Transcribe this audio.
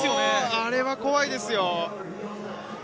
あれは怖いですよ。